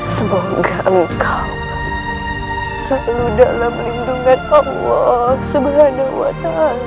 semoga engkau selalu dalam lindungan allah swt